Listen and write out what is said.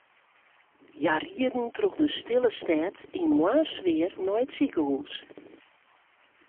Hja rieden troch de stille stêd yn moarnssfear nei it sikehús.